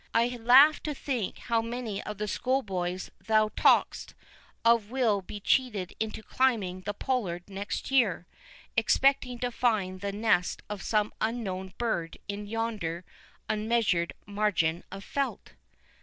I laugh to think how many of the schoolboys thou talk'st of will be cheated into climbing the pollard next year, expecting to find the nest of some unknown bird in yonder unmeasured margin of felt."